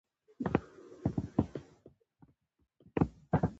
زه به څرنګه د دوی په دام کي لوېږم